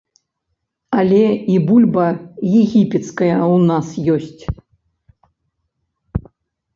Але і бульба егіпецкая ў нас ёсць.